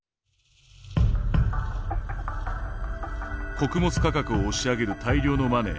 穀物価格を押し上げる大量のマネー。